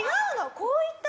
こういったね。